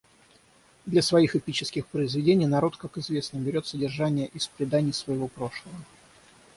Для своих эпических произведений народ, как известно, берет содержание из преданий своего прошлого.